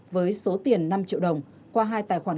với số tiền năm triệu đồng qua hai tài khoản